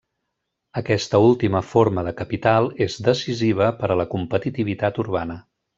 Aquesta última forma de capital és decisiva per a la competitivitat urbana.